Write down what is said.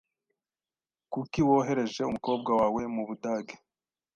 Kuki wohereje umukobwa wawe mubudage?